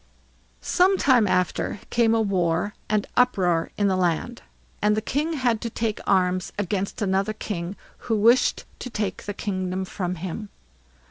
Some time after came a war and uproar in the land, and the king had to take up arms against another king who wished to take the kingdom from him.